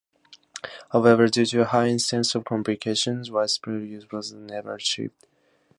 However, due to a high incidence of complications, widespread use was never achieved.